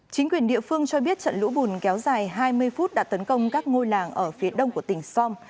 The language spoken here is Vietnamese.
chính quyền địa phương cho biết trận lũ bùn kéo dài hai mươi phút đã tấn công các ngôi làng ở phía đông của tỉnh som